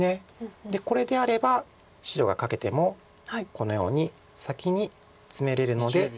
これであれば白がカケてもこのように先にツメれるので。